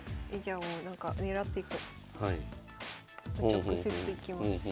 直接いきます。